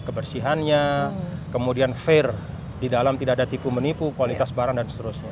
kebersihannya kemudian fair di dalam tidak ada tipu menipu kualitas barang dan seterusnya